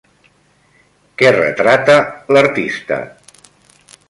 Què retrata l'artista?